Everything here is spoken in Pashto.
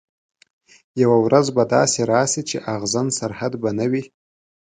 یوه ورځ به داسي راسي چي اغزن سرحد به نه وي